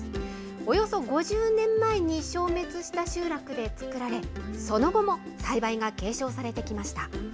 およそ５０年前に消滅した集落で作られ、その後も栽培が継承されてきました。